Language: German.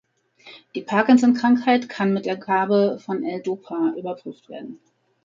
Die Parkinson-Krankheit kann mit der Gabe von L-Dopa überprüft werden.